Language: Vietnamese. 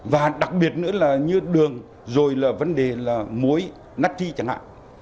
và đặc biệt nữa là như đường rồi là vấn đề là muối natchi chẳng hạn